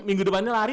minggu depannya lari